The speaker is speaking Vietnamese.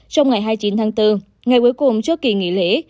trong ngày hai mươi chín tháng bốn ngày cuối cùng trước kỳ nghỉ lễ